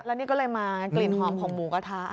แล้วนี่ก็เลยมากลิ่นหอมของหมูกระทะ